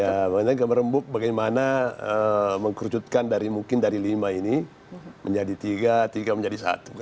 ya makanya gambar bagaimana mengkerucutkan dari mungkin dari lima ini menjadi tiga tiga menjadi satu